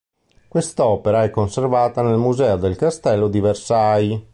Quest'opera è conservata nel Museo del castello di Versailles.